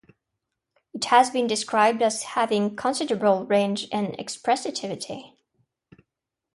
It has been described as having considerable range and expressivity.